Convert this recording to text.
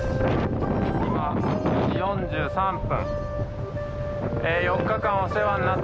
今４３分。